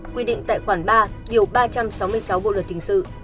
quy định tại khoản ba điều ba trăm sáu mươi sáu bộ luật hình sự